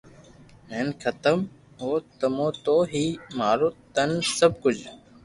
ھين ختم بو تمو تو ھي مارون تن سب ڪجھ